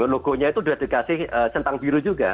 logonya itu sudah dikasih centang biru juga